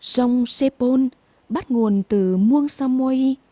sông sepol bắt nguồn từ muôn samui